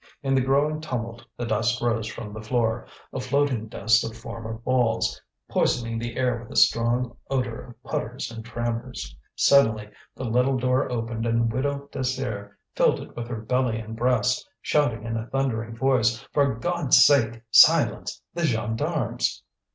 In the growing tumult the dust rose from the floor, a floating dust of former balls, poisoning the air with a strong odour of putters and trammers. Suddenly the little door opened, and Widow Désir filled it with her belly and breast, shouting in a thundering voice: "For God's sake, silence! The gendarmes!"